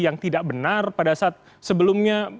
yang tidak benar pada saat sebelumnya